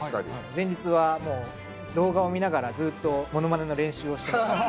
前日はもう動画を見ながらずっとモノマネの練習をしてました。